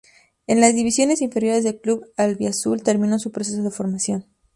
En las divisiones inferiores del club albiazul terminó su proceso de formación.